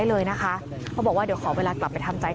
ผมยังอยากรู้ว่าว่ามันไล่ยิงคนทำไมวะ